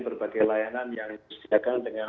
berbagai layanan yang disediakan dengan